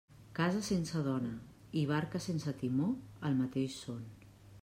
Casa sense dona i barca sense timó, el mateix són.